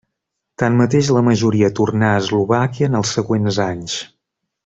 Tanmateix la majoria tornar a Eslovàquia en els següents anys.